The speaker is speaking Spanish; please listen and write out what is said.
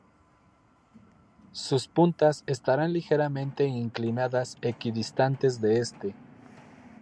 Sus puntas estarán ligeramente inclinadas equidistantes de este".